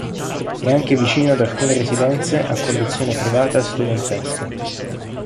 È anche vicino ad alcune residenze a conduzione privata studentesche.